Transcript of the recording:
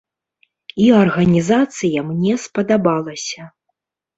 І арганізацыя мне спадабалася.